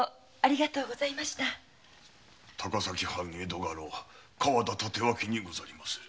高崎藩江戸家老・河田帯刀にござりまする。